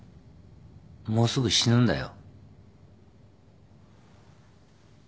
もうすぐ死ぬんだよ。